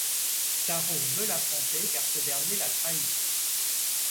Taro veut l'affronter car ce dernier l'a trahi.